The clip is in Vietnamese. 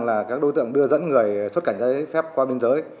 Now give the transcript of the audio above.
là các đối tượng đưa dẫn người xuất cảnh giấy phép qua biên giới